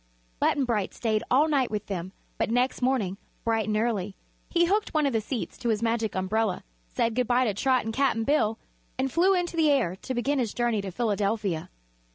Button Bright stayed all night with them, but next morning, bright and early, he hooked one of the seats to his Magic Umbrella, said good bye to Trot and Cap'n Bill and flew into the air to begin his journey to Philadelphia.